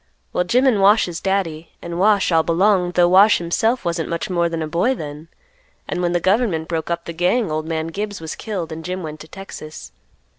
Well, Jim and Wash's daddy, and Wash, all belonged, 'though Wash himself wasn't much more than a boy then; and when the government broke up the gang, old man Gibbs was killed, and Jim went to Texas.